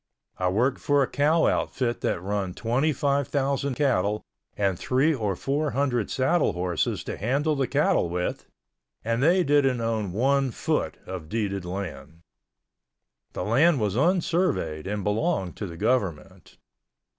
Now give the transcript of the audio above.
I worked for a cow outfit that run twenty five thousand cattle and three or four hundred saddle horses to handle the cattle with, and they didn't own one foot of deeded land. The land was unsurveyed and belonged to the government.